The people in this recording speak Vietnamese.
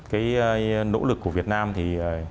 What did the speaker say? cái nỗ lực của việt nam thì